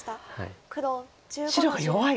白が弱い。